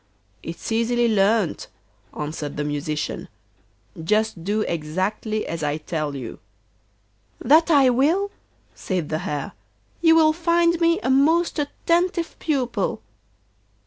'It's easily learnt,' answered the Musician; 'just do exactly as I tell you.' 'That I will,' said the Hare, 'you will find me a most attentive pupil.